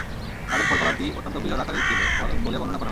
তাদের ফল-ফলাদি অত্যন্ত বৃহৎ আকারের ছিল বলে বর্ণনা করা হয়েছে।